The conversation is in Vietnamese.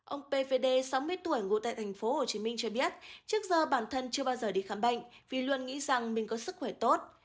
ông pvd sáu mươi tuổi ngủ tại thành phố hồ chí minh cho biết trước giờ bản thân chưa bao giờ đi khám bệnh vì luôn nghĩ rằng mình có sức khỏe tốt